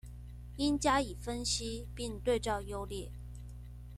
應加以分析並對照優劣